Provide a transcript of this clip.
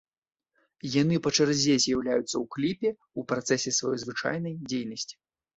Яны па чарзе з'яўляюцца ў кліпе ў працэсе сваёй звычайнай дзейнасці.